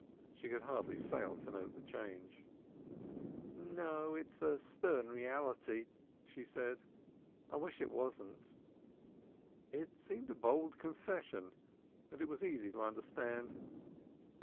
She could hardly fail to note the change. "No, it's a stern reality," she said. "I wish it wasn't." It seemed a bold confession, but it was easy to understand.